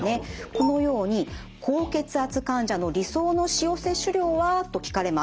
このように「高血圧患者の理想の塩摂取量は？」と聞かれます。